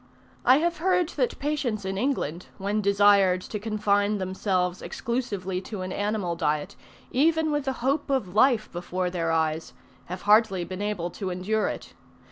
I have heard that patients in England, when desired to confine themselves exclusively to an animal diet, even with the hope of life before their eyes, have hardly been able to endure it.